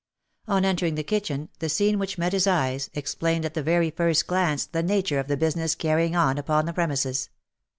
On entering the kitchen, the scene which met his eyes, explained at the very first glance the nature of the business carrying on upon the premises.